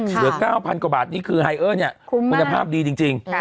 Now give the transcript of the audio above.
เหลือ๙๐๐กว่าบาทนี่คือไฮเออร์เนี่ยคุณภาพดีจริง